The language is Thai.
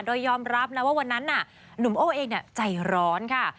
โดยยอมรับนะว่าวันนั้นน่ะหนุ่มโอ้เองใจร้อนค่ะ